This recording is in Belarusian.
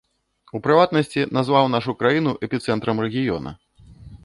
У прыватнасці, назваў нашу краіну эпіцэнтрам рэгіёна.